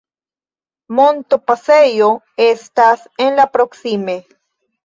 Montopasejo estas en la proksime.